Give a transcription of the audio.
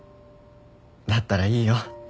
だったらいいよ。